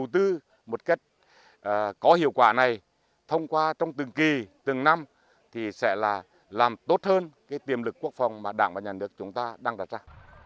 thông qua trong từng kỳ từng năm thì sẽ là làm tốt hơn cái tiềm lực quốc phòng mà đảng và nhà nước chúng ta đang đặt ra